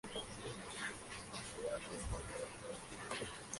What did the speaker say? Los mamíferos marinos incluyen delfines, manatíes y ballenas.